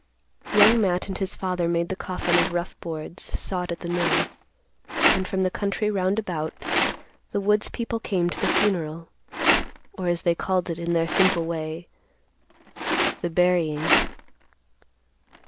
Young Matt and his father made the coffin of rough boards, sawed at the mill; and from the country round about, the woods people came to the funeral, or, as they called it in their simple way, the "burying."